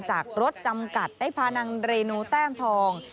จากรถจำกัดได้พานางเรนูแต้มทอง